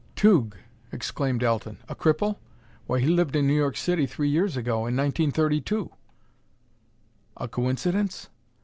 "Tugh!" exclaimed Alten. "A cripple? Why, he lived in New York City three years ago, in 1932!" A coincidence?